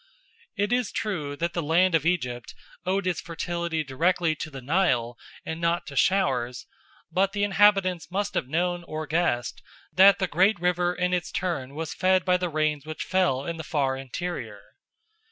It is true that the land of Egypt owed its fertility directly to the Nile and not to showers; but the inhabitants must have known or guessed that the great river in its turn was fed by the rains which fell in the far interior.